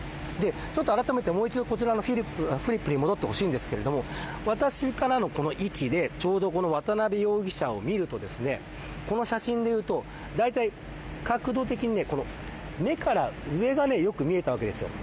あらためてもう一度このフリップに戻ってほしいんですけれど私からの位置でちょうど渡辺容疑者を見るとこの写真でいうと大体角度的に目から上がよく見えたわけですよ。